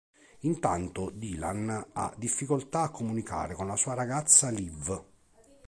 Intanto, Dylan ha difficoltà a comunicare con la sua ragazza Liv.